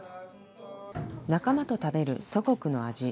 仲間と食べる祖国の味。